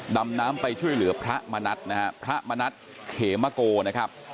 ดำน้ำไปช่วยเหลือพระมณัฐนะฮะพระมณัฐเขมโกนะครับ